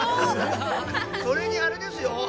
それにあれですよ